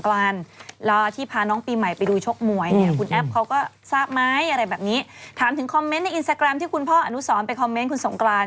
เขาบอกเด็กชายชื่อแชมป์เนี่ยมีสัมภัษณ์ที่๖มี๖เซนต์ยังไง